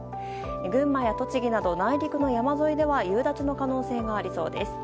群馬や栃木など内陸の山沿いでは夕立の可能性がありそうです。